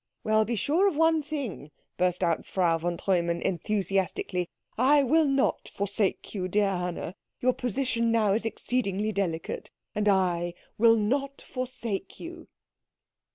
"Well, be sure of one thing," burst out Frau von Treumann enthusiastically, "I will not forsake you, dear Anna. Your position now is exceedingly delicate, and I will not forsake you."